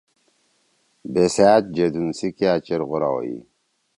بیسأت جیدُون سی کیا چیر غورا ہوئی۔